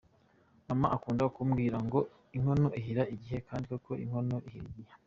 Mama akunda kumbwira ngo inkono ihira igihe kandi koko inkono ihiriye igihe”.